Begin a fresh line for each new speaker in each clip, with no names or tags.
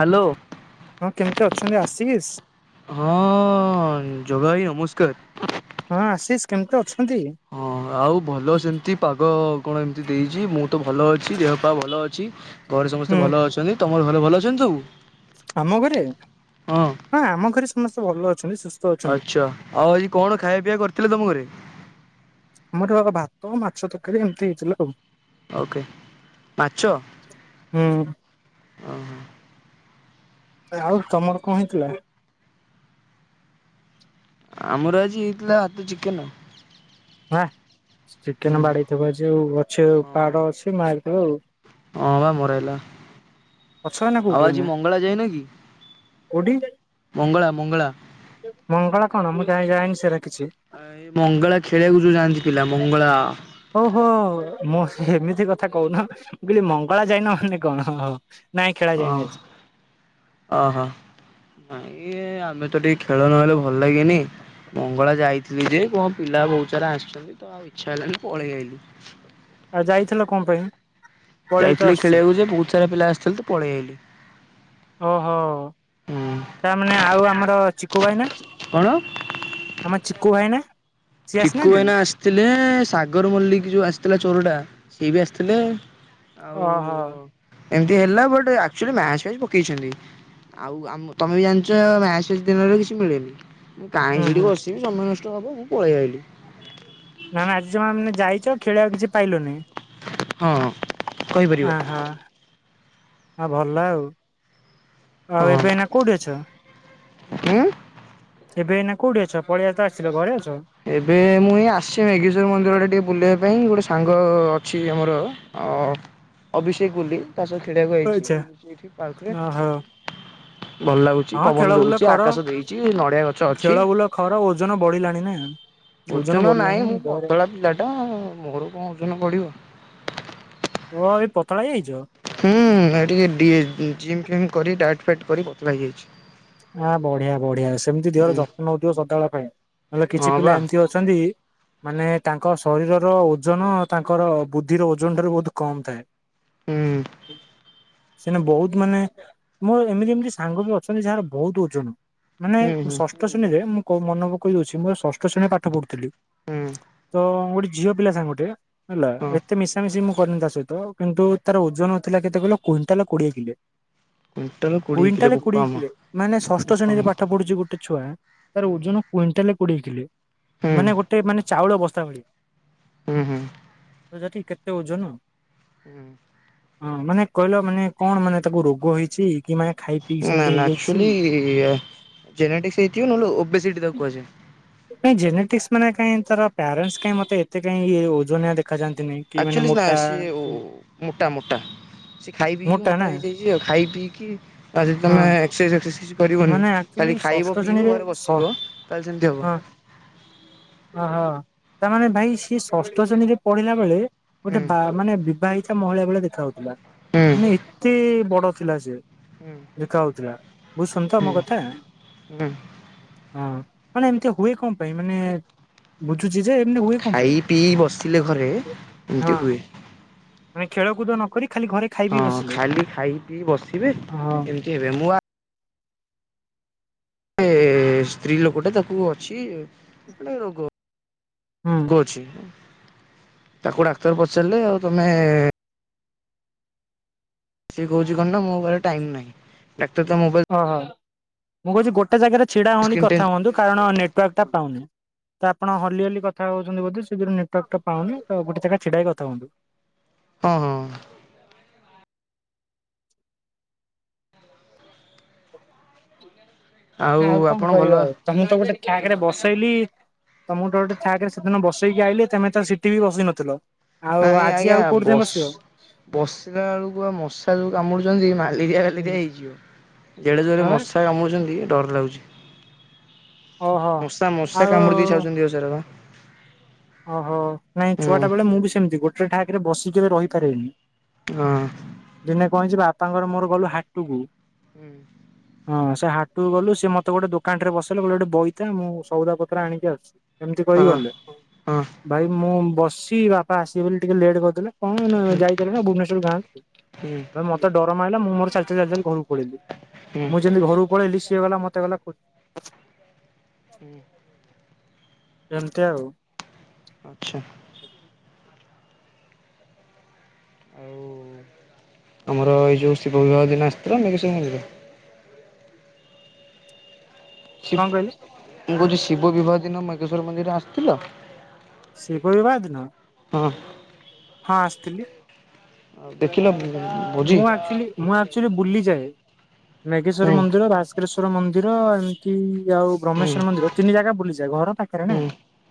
Hello.
ହଁ କେମିତି ଅଛନ୍ତି ଆଶିଷ?
ହଁ ଜଗାଭାଇ ନମସ୍କାର।
ହଁ ଆଶିଷ୍ କେମିତି ଅଛୁ?
ହଁ ଆଉ ଭଲ ସେମିତି ପାଗ କଣ ଏମିତି ଦେଇଛି ମୁଁ ତ ଭଲ ଅଛି ଦେହପା ଭଲ ଅଛି ଘରେ
ହୁଁ
ସମସ୍ତେ ଭଲ ଅଛନ୍ତି ତମର ଘରେ ଭଲ ଅଛନ୍ତି ସବୁ।
ଆମ ଘରେ ହଁ ଆମ ଘରେ ସମସ୍ତେ ଭଲ ଅଛୁ।
ଆଚ୍ଛା ଆଉ ଆଜି କଣ ଖାଇବା ପିଇବା କରିଥିଲେ ତମ ଘରେ?
ଆମର ଭାତ ମାଛ ତରକାରୀ ଏମିତି ହେଇଥିଲା ଆଉ।
ଓକେ ମାଛ ଓ
ହୁଁ
ହଁ।
ଆଉ ତମର କଣ ହେଇଥିଲା?
ଆମର ଆଜି ହେଇଥିଲା ଭାତ ଚିକେନ୍।
ବାଃ ଚିକେନ ବାଡେଇଥିବ ଆଜି ଅଛି
ହଁ
ବାଡ ଅଛି ମାରିଥିବ ଆଉ।
ହଁ ବା ମୋର ହେଲା
ଅଛ ଏଇନା
ଆଉ
କୋଉଠି
ଆଜି
ଭାଇନା
ମଙ୍ଗଳା ଯାଇନ କି
କୋଉଠି।
ମଙ୍ଗଳା ମଙ୍ଗଳା।
ମଙ୍ଗଳା ଖଣ ମୁଁ ଯାାଇନି ଯାଇନି ସେଡ଼େ।
ଏ ମଙ୍ଗଳା ଖେଳିବାକୁ ଯୋଉ ଯାଆନ୍ତି ପିଲା ମଙ୍ଗଳା।
ଓ ହୋ ମୁଁ ଏମିତି କଥା କହୁନ ମୁଁ କହିଲି ମଙ୍ଗଳା ଯାଇନ ମାନେ କଣ ହଉ।
ହଁ ଅହୋ। ଇଏ ଆମେ ତ ଟିକେ ଖେଳ ନହେଲେ ଭଲ ଲାଗେନି। ମଙ୍ଗଳା ଯାଇଥିଲି ଯେ କଣ ପିଲା ବହୁତ ସାରା ଆସିଛନ୍ତି ତ ଆଉ ଇଚ୍ଛା ହେଲାଣି ପଳେଇ ଆାଇଲି।
ଆଉ ଯାଇଥିଲ କଣ ପାଇଁ? ପଳେଇ ତ
ଯାଇଥିଲି
ଆସୁଛୁ
ଖେଳିବାକୁ ଯେ ବହୁତ ସାରା ପିଲା ଆସିଥିଲେ, ତ ପଳେଇଆଇଲି।
ଓହୋ ତାମାନେ ଆଉ ଆମର ଚିକୁୁ ଭାଇନା?
କଣ
ଆମ ଚିକୁୁ ଭାଇନା। ସିଏ
ଚିକୁ
ଆସିନାହାନ୍ତି?
ଭାଇନା ଆସିଥିଲେ, ସାଗର ମଲ୍ଲିକ ଯୋଉ ଆସିଥିଲା ଚୋରଟା ସେ ବି ଆସିଥିଲେ ଆଉ
ଓହୋ।
ଏମିତି ହେଲା ବଟ୍ ଆକଚୁଲ୍ଲୀ ମ୍ୟାଚ୍ ଆଜି ପକେଇଛନ୍ତି। ଆଉ ଆ ତମେ ବି ଜାଣିଛ ମ୍ୟାଚ ଯେତେବେଳେ କିଛି ମିଳେନି ମୁଁ କାହିଁ
ହୁଁ
ସେଠି
ହୁଁ
ବସିବି ସମୟ ନଷ୍ଟ ହବ ମୁଁ ପଳେଇ ଆଇଲିି।
ନା ଆଜି ତମେ ମାନେ ଯୋଉ ଯାଇଛ, ଖେଳିବାକୁ କିଛି ପାଇଲନି।
ହଁ। କହିପାରିବ
ହଁ ହୋ। ଆଉ ଭଲ ଆଉ। ଆଉ ଏବେ ଏଇନା କଉଠି ଅଛ?
ହୁଁ?
ଏବେ ନା କୋଉଠି ଅଛ ପଳଆ ତ ଆସିଲ ଘରେ ଆଉ?
ଏବେ ମୁଁ ଏଇ ଆସିଛି, ମେଗେଶ୍ଵର ମନ୍ଦିର ଆଡ଼େ ଟିକେ ବୁଲିବା ପାଇଁ ଗୋଟେ ସାଙ୍ଗ ଅଛି ଆମର ଅଭିଷେକ୍ ବୋଲି ତା ସହ ଖେଳିବାକୁ
ଆଚ୍ଛା
ଆଇଚି ଏଠି ପାର୍କରେ
ଓହୋ
ଭଲ ଲାଗୁଛି
ହଁ ଖେଳ
ପବନ
ବୁଲ
ଦଉଛି,
କର
ଆକାଶ ଦେଇଛି ନଡ଼ିଆ ଗଛ
ଖେଳ
ଅଛି।
ବୁଲ କର ଓଜନ ବଢିଲାଣି ନା
ଓଜନ ନାହିଁ
ବଢିଲାଣି
ମୁଁ
ଦେହରେ
ପତଳା ପିଲା ଟା ମୋର କଣ ଓଜନ ବଢିବ।
ତୁମେ ଭାଇ ପତଳା ହେଇଯାଇଛ?
ହୁଁ ଏଠି ଜିମ୍ ଫିମ୍ କରି ଡ଼ାଇଟ୍ ଫାଇଟ୍ କରି ପତଳା ହେଇଯାଇଛି।
ଆଁ ବଢ଼ିଆ ବଢ଼ିଆ ସେମିତି ଦେହର
ହୁଁ
ଯତ୍ନ ନେଉଥିବ ସଦାବେଳ ପାଇଁ ନହେଲେ କିଛି
ହଁ
ପିଲା
ବା
ଏମିତି ଅଛନ୍ତି ମାନେ ତାଙ୍କ ଶରୀରର ଓଜନ ତାଙ୍କର ବୁଦ୍ଧିର ଓଜନ ଠାରୁ ବହୁତ କମ ଥାଏ
ହୁଁ
ସେନା ବହୁତ ମାନେ ମୋ ଏମିତି ଏମିତି ସାଙ୍ଗ ବି ଅଛନ୍ତି ଯାହାର ବହୁତ ଓଜନ ମାନେ
ହୁଁ ହୁଁ
ଷଷ୍ଠ ଶ୍ରେଣୀରେ ମୁଁ କ ମନେ ପକ କହି ଦଉଛି, ମୁଁ ଷଠ ଶ୍ରେଣୀ ପାଠ ପଢୁଥିଲି।
ହୁଁ।
ତ ଗୋଟେ ଝିଅ ପିଲା ସାଙ୍ଗ ଗୋଟେ ହେଲା,
ହଁ।
ଏତେ ମିଶାମିଶି ମୁଁ କରେନି ତା ସହିତ କିନ୍ତୁ ତାର ଓଜନ ଥିଲା କେତ କୁଣ୍ଟାଲ କୋଡିଏ କିଲେ।
କୁଣ୍ଟାଲ କୋଡିଏ କିଲେ
କୁଇଣ୍ଟାଲେ କୋଡିଏ
ବୋପା ମା!
କିଲେ ମାନେ ଷଷ୍ଠ
ବୋପା
ଶ୍ରେଣୀରେ
ମା
ପାଠ ପଢୁଛି, ଗୋଟେ ଛୁଆ ତାର
ହୁଁ
ଓଜନ କୁଇଣ୍ଟାଲ କୋଡିଏ କିଲ
ହୁଁ
ମାନେ ଗୋଟେ ମାନେ ଚାଉଳ ବସ୍ତା ଭଳି।
ହୁଁ ହୁଁ।
ତ ଯାଠି କେତେ ଓଜନ।
ହୁଁ।
ହଁ ମାନେ କହିଲ ମାନେ କଣ ମାନେ ତାକୁ ରୋଗ ହେଇଚ କି ମାନେ ଖାଇ? ପିଇ
ନା
ସେମିତି
ନା
ହେଇଯାଇଛି?
ଆକ୍ଚୁଲି ଜେନେ ଟିକ୍ସ ହେଇଥିବ, ନହଲେ ଓବି ସିଡ଼ି ତାକୁ କୁହାଯାଏ।
ନ ତାର ପ୍ୟାରେଣ୍ଟ ମତେ ଏତେ କାଁ ଓ
ଆଚୁଲି ନା ସେ ମୋଟା ମୋଟା ସେ ଖାଇ ପିଇକି ମୋଟା ହେଇଯାଇଛି ଆଉ ଖାଇ ପିଇକି
ହଁ
[unintelligible] କରିବନି
ମାନେ ଆକ୍ଚୁଆଲି
କାଲି
ଷଷ୍ଠ
ଖାଇବ ପିଇବ
ଶ୍ରେଣୀରେ
ଘରେ
ଷ
ବସିବ କହଲେ ସେମତି ହବ।
ହ ହଁ। ତାମାନେ ଭାଇ ସିଏ ଷଷ୍ଠ ଶ୍ରେଣୀରେ ପଢିଲା ବଳେ
ହୁଁ
ଗୋଟେ ବା ମାନେ ବିବାହିତ ମହିଳା ଭଳିଆ ଦେଖା ହଉଥିଲା,
ହୁଁ
ମାନେ ଏତେ ବଡ ଥିଲା, ସେ
ହୁଁ
ଦେଖା ହଉଥିଲା ବୁଝ ତ ଆମୋ କଥା
ହୁଁ
ହଁ। ମାନେ ଏମିତି ହୁଏ କଣ ପାଇଁ ମାନେ ବୁ ଜେଜେ ଏମତୀ ହଏ କ
ଖାଇ ପିଇ ବସିଲେ ଘରେ
ପାଇଁ
ଏମିତି
ହଁ।
ହୁଏ
ଆମେ ଖେଳ କୂଦ ନ କରି ଖାଲି ଘରେ ଖାଇ ପିଇ
ହଁ
ବସିଲେ
ଖାଲି ଖାଇ ପି ବସିବେ
ହଁ
ଏମିତି ହେବେ ମୁଁ ସ୍ତ୍ରୀ ଲୋକଟେ ତାକୁ ଅଛି ଗଟେ ରୋଗ
ହୁଁ
ଗ ଅଛି। ତାକୁ ଡାକ୍ତର ପଚାରିଲେ ଆଉ ତମେ ସେଏ କହୁଛି କଣ ନା ମୋ ପଖରେ ଟାଇମ ନାହିଁ ଡାକ୍ତର ମୋବାଇଲ
ଓହୋ। ମୁଁ କହୁଛି ଗୋଟେ ଜାଗାରେ ଛିଡା ହୁଅନ୍ତି
ସ୍କ୍ରିନ୍ ଟାଇମ୍
କଥା ହୁଅନ୍ତୁ କାରଣ ନେଟୱାର୍କ ଟା ପାଉନି। ତ ଆପଣ ହଲି ହଲି କଥା ହଉଛନ୍ତି ବୋଧେ ସେଥିରେ ନେଟୱାଟକ୍ ପାଉନିଉ ଗୋଟେ ଜାଗାରେ ଛିଡା ହେଇକି କଥା ହୁନ୍ତୁ। [inaudible]
ହଁ ହଁ।
ନା ଆଉ କଣ
ଆପଣ ଭଲ
କରିବ ଆଉ ତମେ ତ ଗୋଟେ ଠାକ ରେ ବସେଇଲି ତମ ଡରେ ଠାକ ରେ ସେଦିନ ବସେଇକି ଆଇିଲି ତମେ ତ ସିଠି ବି ବସି ନଥିଲ। ଆଉ
ନାଇଁ
ଆଜି
ଆଜ୍ଞା
ଆଉ କୋଉଠି
ବ
ଯାଏଁ ବସିବ
ବସିଲା ବେଳକୁ ବା ମଶା ଯୋଉ କାମୁଡୁଛନ୍ତି ମା ଫାଲି ଦିଆ ଫାଲିଦିଆ ହେଇଯିବ ଜେଡେ
ହଁ
ଜୋରେ
ବା
ମଶା କାମୁଛନ୍ତି ଡର ଲାଗୁଛି।
ଓହୋ।
ମଶା ମଶା କାମୁଡି
ଆଉ
ଦେଇାଉଛନ୍ତି ଦେହ ସାରାବା।
ଓହୋ ନାଇଁ ଛୁଆଟା ବେଳେ ମୁଁ ବି ସେମିତି ଗୋଟେ ଠାକରେ ବସିକ କେବେ ରହି ପାରିନି।
ହଁ ହଁ
ଦିନେ କହିଛି ବାପାଙ୍କର ମୋର ଗଲୁ ହାଟୁକୁ
ହୁଁ।
ହଁ ସେ ହାଟକୁ ଗଲୁ ସେ ମତେ ଗୋଟେ ଦୋକାନ ରେ ବସେଇଲେ ଗଲେ ଗୋଟେ ବୋଇତା ମୁଁ ସଉଦା ପତ୍ର ଆଣିକି ଆସୁଛି। ଏମିତି କହି
ହଁ
ଗଲେ
ହୁଁ
ଭାଇ ମୁଁ ବସି ବାପା ଆସିବି ବୋଲି ଟିକେ ଲେଟ୍ କରିଦଥିଲେ। କଣ ଯାଇଥିଲ ନା ଭୁବନେଶ୍ୱର ଗାଁକୁ
ହୁଁ
ମତେ ଡର ମାରିଲା ମୁଁ ମୋର ଚାଲି ଚାଲି ଚା ଘରକୁ ପଳେଇଲି
ହୁଁ
ମୁଁ ଯେମିତି ଘରକୁ ପଳେଇଲି ସିଏ ଗଲା ମତେ ଗଲା
ହୁଁ।
ଏମତି ଆଉ।
ଆଛା। ଆଉ ଆମର ଏଇ ଯୋଉ ଶିବ ବିିବାହ ଦିନ ଆସିଥିଲା ମେଘେଶ୍ୱର ମନ୍ଦିର
କଣ କହିଲେ?
ମୁ କହୁଛି ଶିବ ବିବାହ ଦିନ ମେଘେଶ୍ଵର ମନ୍ଦିରରେ ଆସିଥିଲ?
ଶିବ ବିବାହ ଦିନ?
ହଁ।
ହଁ ଆସିଥିଲି।
ଆଉ ଦେଖିଲ? ଭୋଜି
ମୁଁ ଆଚ୍ୟୁଲି ଆଚ୍ୟୁଲି ବୁଲିଯାଏ। ମେଘେଶ୍ଵର
ହୁଁ
ମନ୍ଦିର ଭାସ୍କେଶ୍ଵର ମନ୍ଦିର ଏମତି ଆଉ
ହୁଁ
ବ୍ରହ୍ମେଶ୍ୱର ମନ୍ଦିର ତିନି ଜାଗା ବୁଲିଯାଏ ଘର ପାଖରେ ନା
ହୁଁ ହୁଁ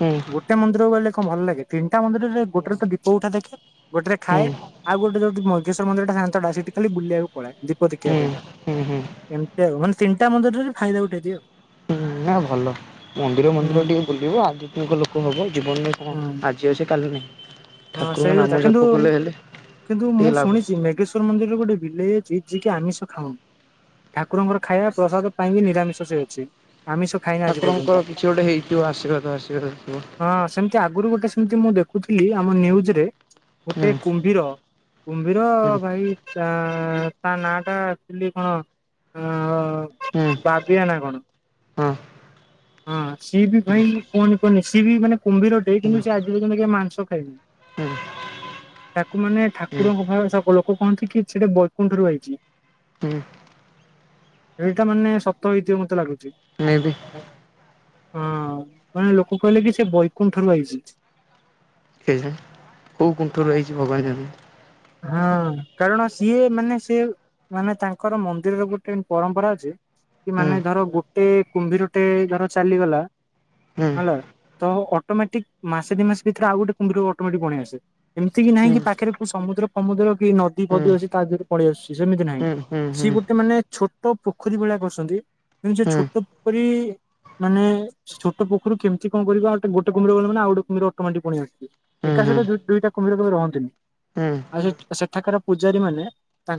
ହୁଁ
ଗୋଟେ ମନ୍ଦିରକୁ ଗଲେ କଣ ଭଲ ଲାଗେ ତିନିଟା ମନ୍ଦିରରେ ଗୋଟେ ତ ଦୀପ ଉଠା ଦେଖେ ଗୋଟେ ଖାଏ
ହୁଁ
ଆଉ ଗୋଟେ ଯୋଉ ମନ୍ଦିର ଟା ଶାନ୍ତଟା ସେଠି ଖାଲି ବୁଲିବାକୁ ପଳେ ଦୀପ ଦେଖିବା
ହୁଁ
ପାଇଁ।
ହୁଁ ହୁଁ
ଏମତି ଆଉ ମାନେ ତିନିଟା ମନ୍ଦିରରେ ବି ଫାଇଦା ଉଠେଇଦିଏ ଆଉ।
ନା ଭଲ ମନ୍ଦିର
ହୁଁ
ମନ୍ଦିର ଟିକେ ବୁଲିବ ଆଧ୍ୟାତ୍ମିକ ଲୋକ ହବ ଜୀବନରେ କଣ
ହୁଁ
ଆଜି ଆଉ ସେ କାଲି ନାହିଁ।
ହଁ
ଠାକୁରଙ୍କ
ସେଇ
ନାମ
କଥା
ଜପ
କିନ୍ତୁ
କଲେ ହେଲେ
କିନ୍ତୁ ମୁଁ
ଟିକେ ଲାଭ
ଶୁଣିଛି ମେଘେଶ୍ଵର ମନ୍ଦିରରେ ଗୋଟେ ବିଲେ [unintelligible] ଆମିଷ ଖାଉନ ଠାକୁରଙ୍କର ଖାଇବା ପ୍ରସାଦ ପାଇଁ ବି ନିରାମିଷ ସେ ଅଛି। ଆମିଷ ଖାଇନି ଆଜି ପର୍ଯ୍ୟନ୍ତ
ଠାକୁରଙ୍କର କିଛି ଗୋଟେ ହେଇଥିବ ଆଶୀର୍ବାଦ ଆଶୀର୍ବାଦ ଥିବ
ହଁ ସେମତି ଆଗରୁ ଗୋଟେ ସେମତି ମୁଁ ଦେଖୁ ଥିଲ ଆମ ନ୍ୟୁଜରେ
ହୁଁ
ଗୋଟେ କୁମ୍ଭୀର କୁମ୍ଭୀର
ହୁଁ
ଭାଇ ତା ନାଁ ଟା ଆଚ୍ୟୁଲି କଣ
ହୁଁ
ବାବିଆ ନା କଣ?
ହଁ।
ହଁ ସିଏ ବି ଭାଇନି କହନି କୁହନି ସିଏ ବି ମାନେ କୁମ୍ଭୀରଟେ କିନ୍ତୁ
ହୁଁ
ସେ ଆଜି ପର୍ଯ୍ୟନ୍ତ କେ ମାଂସ ଖାଇନି।
ହୁଁ
ତାକୁ ମାନେ
ହୁଁ
ଠାକୁରଙ୍କ ଭଳି ସବୁ ଲୋକ ଲୋକ କହନ୍ତି କି ସେଟା ବୈକୁଣ୍ଠ ଠାରୁ ଆଇଚି।
ହୁଁ।
ଏଇଟା ମାନେ ସତ ହେଇଥିବ ମତେ ଲାଗୁଛି।
ମେବି।
ହଁ ମାନେ ଲୋକ କହିଲେ କି ସେ ବୈକୁଣ୍ଠରୁ ଆଇଚି।
କେଇଯାନି କୋଉ କୁଣ୍ଠ ରୁ ଆଇଚି ଭଗବାନ ଜାଣିଛନ୍ତି।
ହଁ କାରଣ ସିଏ ମାନେ ସେ ମାନେ ତାଙ୍କର ମନ୍ଦିରର ଗୋଟେ ପରମ୍ପରା ଅଛି କି ମାନେ ଧର ଗୋଟେ କୁମ୍ଭୀରଟେ ଧର ଚାଲିଗଲା
ହୁଁ ହୁଁ
ହେଲା ତ ଅଟୋମେଟିକ ମାସେ ଦି ମାସ ଭିତରେ ଆଉ ଗୋଟେ କୁମ୍ଭୀର ଅଟୋମେଟିକ ପଳେଇ ଆସେ ଏମିତି କି ନହିଁ
ହୁଁ
କି ପାଖରେ କୋଉ ସମୁଦ୍ର ଫାମୁଦ୍ର କି ନଦୀ ଫଦୀ ଅଛି ତା ଦେହରୁ ପଳେଇ ଆସୁଛି ସେମିତି ନାହିଁ
ହୁଁ ହୁଁ ହୁଁ ହୁଁ ହୁଁ ହୁଁ
ସିଏ ଗୋଟେ ମାନେ ଛୋଟ ପୋଖରୀ ଭଳିଆ କରଛନ୍ତି କିନ୍ତୁ ସେ ଛୋଟ ପୋଖରୀ ମାନେ ଛୋଟ ପୋଖରୁ କେମିତି କଣ କରିକି ଆ ଗୋଟେ କୁମ୍ଭୀର ଗଲେ ମାନ ଆଉ ଗୋଟେ କୁମ୍ଭୀର ଅଟୋମେଟିକ୍ ପଳେଇ ଆସୁଛି। ଏକା
ହୁଁ
ସାଙ୍ଗରେ ଦୁଇ ଦୁଇଟା କୁମ୍ଭୀର କେବେ ରହନ୍ତିନି।
ହୁଁ।
ଆଉ ସେ ସେଠାକାର ପୂଜାରୀ ମାନେ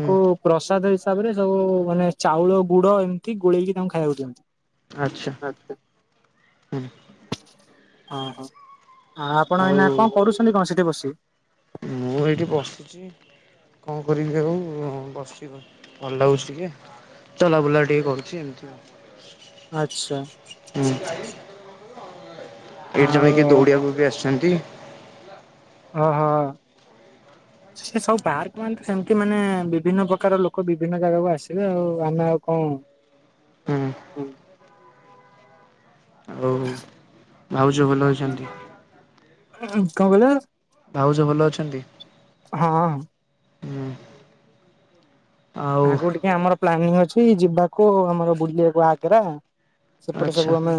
ହୁଁ
ପ୍ରସାଦ ହିସାବରେ ସବୁ ମାନେ ଚାଉଳ ଗୁଡ ଡ ଏମିତି ଗୋଳେଇକି ତାଙ୍କୁ ଖାଇବାକୁ ଦିଅନ୍ତି।
ଆଚ୍ଛା। ହୁଁ
ଅଁ ହ ଆ ଆପଣ ଏଇନା
ଆଉ
କଣ କରୁଛନ୍ତି କଣ ସେଠି ବସି?
ମୁଁ ଏଇଠି ବସିଛି କଣ କରିବି ଆଉ ବସି ଭଲ ଲାଗୁଛି ଟିକେ ଚଲାବୁଲା ଟିକେ କରୁଛି ଏମିତି ଆଉ।
ଆଚ୍ଛା।
ଏଇଠି ଜଣେ
ଆଉ
କିଏ ଦୌଡିବାକୁ ବି ଆସିଛନ୍ତି?
ହଁ ହଁ। ସେ ସବୁ ପାର୍କ ମାନେ ତ ସେମତି ମାନେ ବିଭିନ୍ନ ପ୍ରକାର ଲୋକ ବିଭିନ୍ନ ଜାଗାକୁ ଆସିବେ ଆଉ ଆମେ ଆଉ କଣ
ହୁଁ। ଆଉ
[unintelligible]
ଭାଉଜ ଭଲ ଅଛନ୍ତି?
ଉଁ କଣ କହିଲ?
ଭାଉଜ ଭଲ ଅଛନ୍ତି?
ହଁ
ହୁଁ ଆଉ
ଆଗକୁ ଟିକେ ଆମର ପ୍ଲାନିଙ୍ଗ୍ ଅଛି ଯିବାକୁ ଆମର ବୁଲିବାକୁ ଆଗ୍ରା। ସେପଟେ
ଆଚ୍ଛା
ସବୁ ଆମେ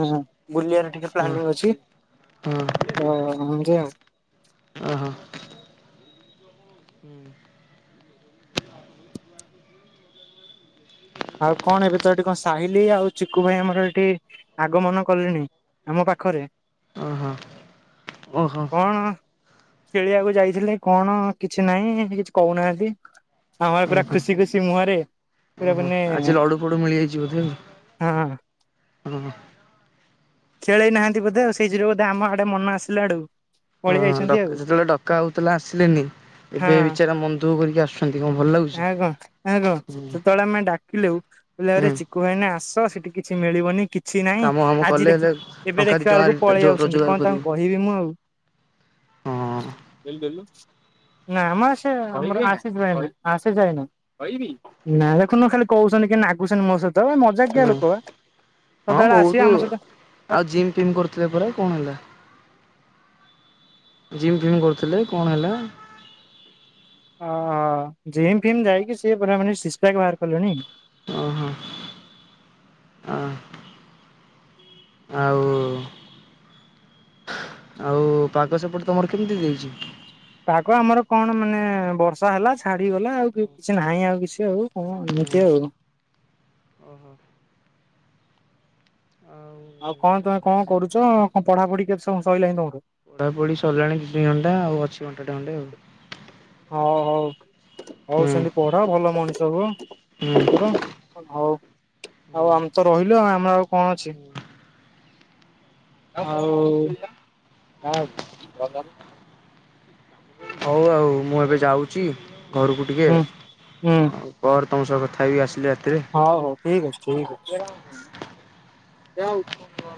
ବୁଲିବାର ଟିକେ
ହଁ
ପ୍ଲାନିଂ ଅଛି।
ହଁ
ତ ଏମିତି ଆଉ।
ଓ ହୋ।
ଆଉ କଣ ଏବେ ତ ଏଠି କଣ ସାହିିଲି ଆଉ ଚିକୁୁ ଭାଇ ଆମର ଏଠି ଆଗମନ କଲେଣି। ଆମ ପାଖରେ।
ଓ ହୋ। ଓ ହୋ।
ଖେଳିିବାକୁ ଯାଇଥିଲେ କଣ କିଛି ନାହିଁ କିଛି କହୁନାହାନ୍ତି। ଆମର ପୁରା
ଓହୋ
ଖୁସି ଖୁସି ମୁହଁରେ ପୁରା
ଓହୋ
ମାନେ
ଆଜି ଲଡୁ ଫଡୁ ମିଳିଯାଇଛି ବୋଧେ ଆଉ।
ହଁ।
ଓହୋ
ଖେଳେଇ ନାହାନ୍ତି ବୋଧେ ସେଇ ଯୋଗୁ ବୋଧେ ଆମ ଆଡେ ମନ ଆସିଲା ଡୁ
ହଁ ଡ ଯେତେବେଳେ ଡକା ହୋଉଥିଲା ଆସିଲନି।
ହଁ
ଏବେ ବିଚାରା ମନ ଦୁଃଖ କରିକି ଆସୁଛନ୍ତି କଣ ଭଲ ଲାଗୁଛି।
ଆଉ କଣ କହିଲା
ହୁଁ
ଆରେ ଚିକୁ ଭାଇନା ଆସ ସେଠି କିଛି ମିଳିବନି କିଛି ନାଇଁ
କାମ ଫାମ
ଆଜି
କଲେ
ଦେଖି
ହେଲେ
ଏବେ
ଟଙ୍କା ଦି
ଦେଖିଲା ବଳକୁ
ଟଙ୍କା
ପଳେଇ
ଯୋ
ଆଉଛନ୍ତି
ରୋଜଗାର
କଣ
କରିବୁ।
ତାଙ୍କୁ କହିବି ମୁଁ ଆଉ।
ହଁ
ଦେଲୁ ଦେଲୁ। ନାମ ସେ ଆମର ଆଶିଷ ଭାଇନା ଆଶିଷ ଭାଇନା ନା ଦେଖୁନ ଖାଲି କ କହୁଛନ୍ତି କେନ୍ତି ନାଗୁଛନ୍ତି ମୋ ସହିତ ଏ ମଜାକିଆ
ହୁଁ
ଲୋକ ବା
ହଁ
ସଦାବେଳେ
ବହୁତ
ଆସିବେ ଆମ ସହିତ
ଆଉ ଜିମ୍ ଫିମ୍ କରୁଥିଲେ ପରା କଣ ହେଲା? ଜିମ୍ ଫିମ୍ କରୁଥିଲେ କଣ ହେଲା?
ଓହ ଜିମ୍ ଫିମ୍ ଯାଇକି ସିଏ ପୁରା ମାନେ ସିକ୍ସ୍ ପ୍ୟାକ୍ ବାହାର କଲେଣି।
ଓ ହୋ ହ ଆଉ ଆଉ ପାଗ ସେପଟ ତମର କେମିତି ଦେଇଛି?
ପାଗ ଆମର କଣ ମାନେ ବର୍ଷା ହେଲା ଛାଡିଗଲା ଆଉ କିଛି ନାହିଁ ଆଉ କିଛି ଆଉ କଣ ଏମିତି ଆଉ
ଓ ହୋ।
ଆଉ କଣ ତମେ କଣ କରୁଛ କଣ ପଢ଼ା ପଢ଼ି କେତେ ସମୟ ସଇଲାଣି ତମଠଉ।
ପଢା ପଢି ସରିଲାଣି ଦି ଘଣ୍ଟା ଆଉ ଅଛି ଘଣ୍ଟା ଟେ ଖଣ୍ଡେ
ହଉ ହଉ ହଉ
ହୁଁ
ସେମିତି ପଢ ଭଲ ମଣିଷ ହୁଅ। ଇଏ କର
ହୁଁ
ହୋଉ ଆଉ ଆମେ ତ ରହିଲୁ ଆ ଆମର ଆଉ କଣ ଅଛି।
[unintelligible]
ଆଉ
ହଉ ଆଉ ମୁଁ ଏବେ ଯାଉଛି ତମ
ହୁଁ। ହୁଁ
ସ କଥାାଇ ହେବି ଆସିଲେ ରାତିରେ।
ହଉ ହଉ ଠିକ୍ ଅଛି ଠିକ୍ ଅଛି।